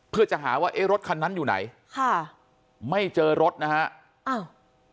เพื่อจะหาว่าเอ๊ะรถคันนั้นอยู่ไหนค่ะไม่เจอรถนะฮะอ้าว